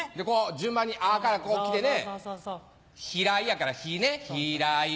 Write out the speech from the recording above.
順番に「あ」からこうきてね平井やから「ひ」ね「ひらい」。